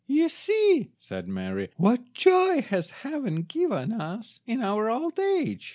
"You see," said Mary, "what joy has Heaven given us in our old age."